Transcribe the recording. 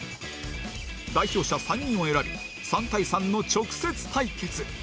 代表者３人を選び３対３の直接対決！